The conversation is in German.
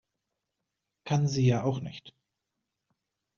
Kann sie ja auch nicht.